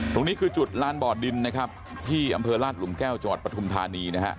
ตรงนี้คือจุดลานบ่อดินนะครับที่อำเภอราชหลุมแก้วจังหวัดปฐุมธานีนะฮะ